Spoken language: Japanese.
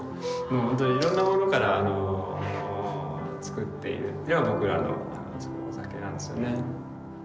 ほんとにいろんなものからあのつくっているというのが僕らのつくるお酒なんですよね。